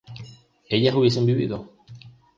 ¿ellas hubiesen vivido?